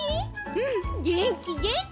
うんげんきげんき。